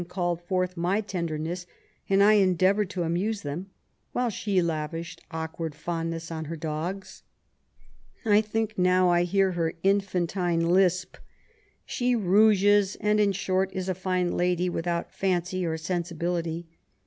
called forth my tenderness, and I endeavoured to amuse them, while she lavished awkward fondness on her dogs. I think now I hear her infantine lisp. She rouges, and, in short, is a fine lady, without fancy or sensibility.